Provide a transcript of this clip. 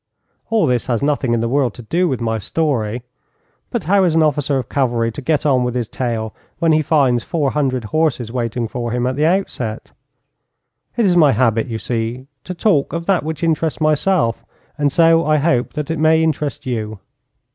All this has nothing in the world to do with my story, but how is an officer of cavalry to get on with his tale when he finds four hundred horses waiting for him at the outset? It is my habit, you see, to talk of that which interests myself and so I hope that I may interest you.